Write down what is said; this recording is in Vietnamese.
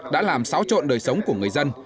đã làm xáo trộn đời sống của người dân